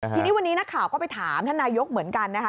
ทีนี้วันนี้นักข่าวก็ไปถามท่านนายกเหมือนกันนะคะ